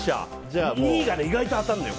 ２位が意外と当たるのよ